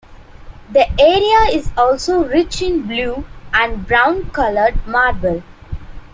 The area is also rich in blue and brown colored marble.